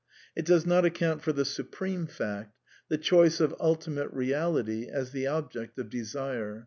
It (j does not account for the supreme fact — the choice of Ultimate Reality as the object of desire.